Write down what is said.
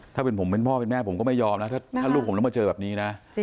ถ้าเป็นผมเป็นพ่อเป็นแม่ผมก็ไม่ยอมนะถ้าลูกผมต้องมาเจอแบบนี้นะ